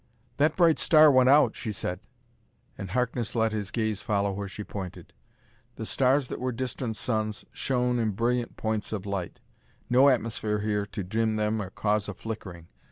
"That bright star went out," she said; and Harkness let his gaze follow where she pointed. The stars that were distant suns shone in brilliant points of light; no atmosphere here to dim them or cause a flickering.